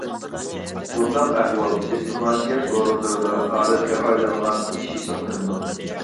بۇنداق ئەھۋال دىپلوماتىيە سورۇنلىرىدا ئادەتكە ئايلانغان ئىش ھېسابلىنىدۇ.